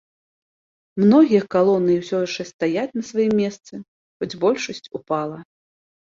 Многія калоны ўсё яшчэ стаяць на сваім месцы, хоць большасць упала.